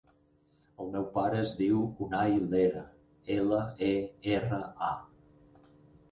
El meu pare es diu Unay Lera: ela, e, erra, a.